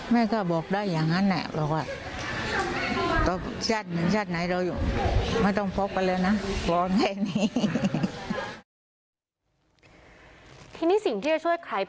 แม่ก็บอกได้อย่างนั้น่ะ